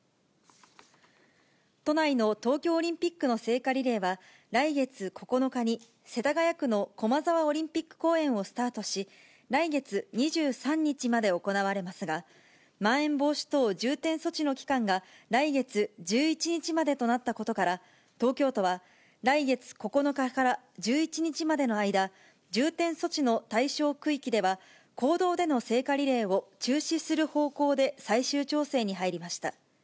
都内の東京オリンピックの聖火リレーは、来月９日に世田谷区の駒沢オリンピック公園をスタートし、来月２３日まで行われますが、まん延防止等重点措置の期間が来月１１日までとなったことから、東京都は来月９日から１１日までの間、重点措置の対象区域では、公道での聖火リレーを中止する方向で最終調整に入りました。